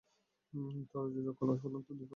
তরল যোজক কলা প্রধানত দুই প্রকার।